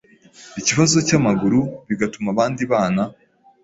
ikibazo cy’amaguru, bigatuma abandi bana